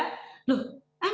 besar di sana enak aja